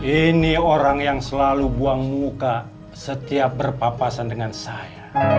ini orang yang selalu buang muka setiap berpapasan dengan saya